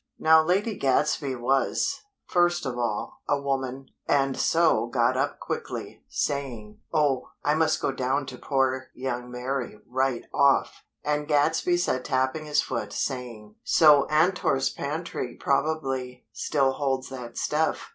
'" Now Lady Gadsby was, first of all, a woman; and so got up quickly, saying: "Oh!! I must go down to poor young Mary, right off!" and Gadsby sat tapping his foot, saying: "So Antor's pantry probably still holds that stuff.